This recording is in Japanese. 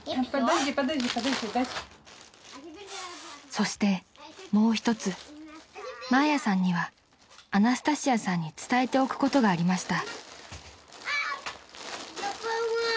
［そしてもう一つマーヤさんにはアナスタシアさんに伝えておくことがありました］